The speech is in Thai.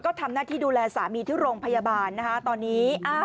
ก็ทำหน้าที่ดูแลสามีที่โรงพยาบาลนะคะตอนนี้